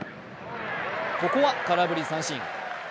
ここは空振り三振。